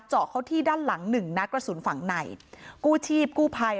เจาะเขาที่ด้านหลังหนึ่งนัดกระสุนฝั่งในกู้ชีพกู้ภัย